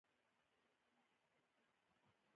هره ورځ د هغه حاصل له مخې قضاوت مه کوه.